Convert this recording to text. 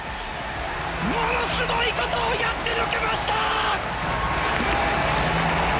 ものすごいことをやってのけました！